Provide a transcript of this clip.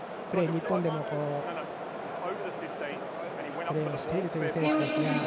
日本でもプレーをしている選手ですが。